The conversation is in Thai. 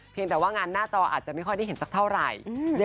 แต่ว่างานหน้าจออาจจะไม่ค่อยได้เห็นสักเท่าไหร่